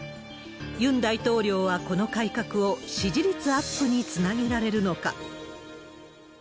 ユン大統領はこの改革を支持率アップにつなげられるのか。